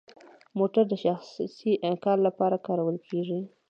موټر د شخصي کار لپاره کارول کیږي؟